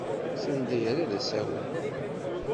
S anda yerra d asawen.